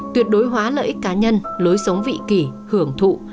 tuyệt đối hóa lợi ích cá nhân lối sống vị kỷ hưởng thụ